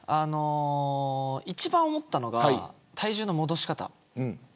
一番思ったのは体重の戻し方。